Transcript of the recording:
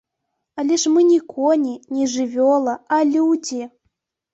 Але ж мы не коні, не жывёла, а людзі!